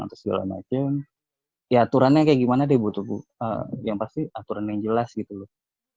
atau segala macam ya aturannya kayak gimana deh butuh yang pasti aturan yang jelas gitu loh